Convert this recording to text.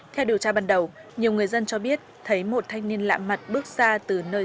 theo điều tra ban đầu nhiều người dân cho biết thấy một thanh niên lạ mặt bước ra từ nơi